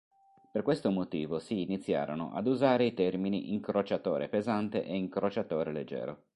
Per questo motivo si iniziarono ad usare i termini incrociatore pesante e incrociatore leggero.